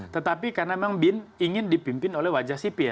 tetapi karena memang bin ingin dipimpin oleh wajah sipil